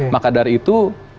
maka dari itu